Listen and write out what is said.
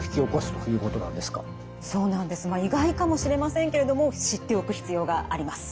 意外かもしれませんけれども知っておく必要があります。